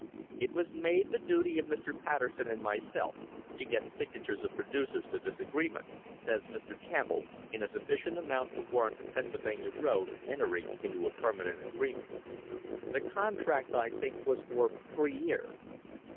"It was made the duty of Mr. Patterson and myself to get THE HISTORY OF THE STANDARD OIL COMPANY signatures of producers to this agreement," says Mr. Camp bell, "in a sufficient amount to warrant the Pennsylvania road entering into a permanent agreement. The contract, I think, was for three years."